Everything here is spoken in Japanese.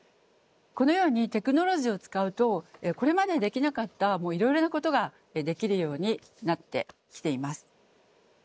このようにテクノロジーを使うとこれまでできなかったいろいろなことができるようになってきています。